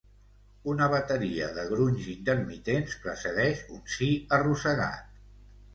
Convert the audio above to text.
Una bateria de grunys intermitents precedeix un sí arrossegat.